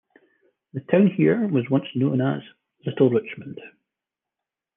The town here was once known as 'Little Richmond'.